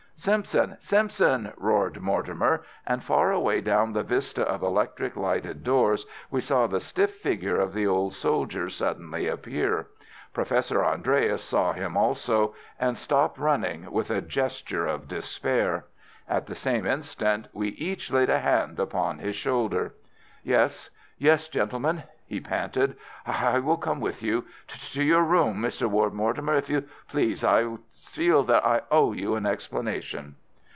"Simpson! Simpson!" roared Mortimer, and far away down the vista of electric lighted doors we saw the stiff figure of the old soldier suddenly appear. Professor Andreas saw him also, and stopped running, with a gesture of despair. At the same instant we each laid a hand upon his shoulder. "Yes, yes, gentlemen," he panted, "I will come with you. To your room, Mr. Ward Mortimer, if you please! I feel that I owe you an explanation."